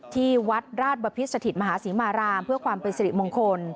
ที่วัดราชบพิษสถิตมหาศรีมารามเพื่อความเป็นสิริมงคล